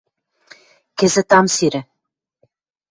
Кӹзӹт ам сирӹ.